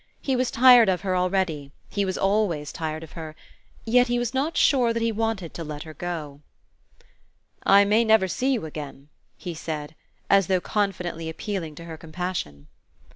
He was tired of her already he was always tired of her yet he was not sure that he wanted her to go. "I may never see you again," he said, as though confidently appealing to her compassion.